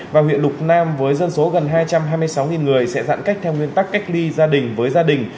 và huyện lục nam với dân số gần hai trăm hai mươi sáu người sẽ giãn cách theo nguyên tắc cách ly gia đình với gia đình